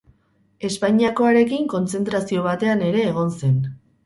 Espainiakoarekin kontzentrazio batean ere egon zen.